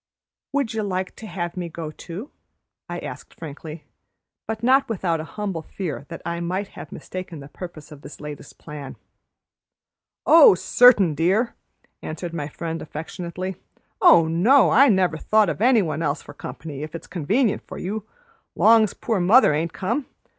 "Would you like to have me go too?" I asked frankly, but not without a humble fear that I might have mistaken the purpose of this latest plan. "Oh certain, dear!" answered my friend affectionately. "Oh no, I never thought o' any one else for comp'ny, if it's convenient for you, long's poor mother ain't come.